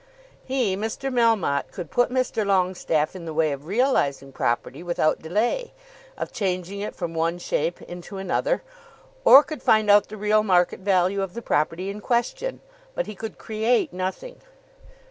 He, Mr. Melmotte, could put Mr. Longestaffe in the way of realising property without delay, of changing it from one shape into another, or could find out the real market value of the property in question; but he could create nothing.